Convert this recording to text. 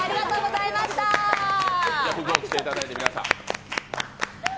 服を着ていただいて皆さん。